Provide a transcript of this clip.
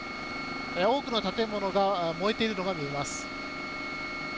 多くの建物が燃えているのが見えます。